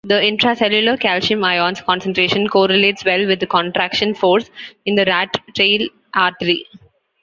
The intracellular calcium ion concentration correlates well with contraction force in the rat-tail artery.